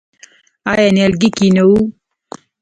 آیا نیالګی کینوو؟